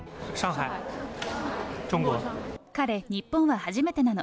彼、日本は初めてなの。